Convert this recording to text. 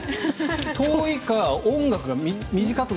遠いか音楽が短く。